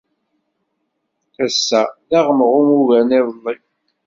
Ass-a, d aɣemɣum ugar n yiḍelli.